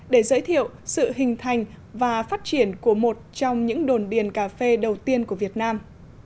để giới thiệu sự hình thành và phát triển của một trong những đồn điền cà phê đầu tiên của việt nam